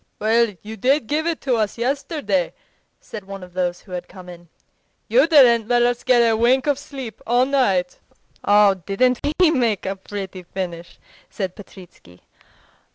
"Well, you did give it to us yesterday," said one of those who had come in; "you didn't let us get a wink of sleep all night." "Oh, didn't we make a pretty finish!" said Petritsky.